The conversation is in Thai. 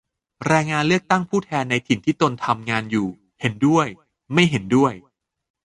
แรงงานเลือกตั้งผู้แทนในถิ่นที่ตนทำงานอยู่ ? เห็นด้วย ไม่เห็นด้วย